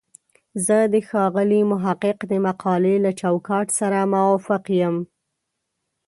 زه د ښاغلي محق د مقالې له چوکاټ سره موافق یم.